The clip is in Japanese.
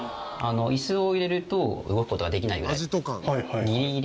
椅子を入れると動く事ができないぐらいギリギリですね。